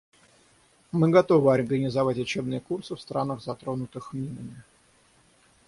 Мы готовы организовать учебные курсы в странах, затронутых минами.